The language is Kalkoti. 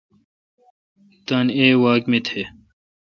تان ای واک می تھ۔